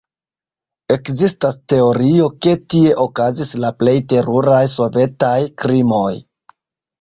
Ekzistas teorio, ke tie okazis la plej teruraj sovetaj krimoj.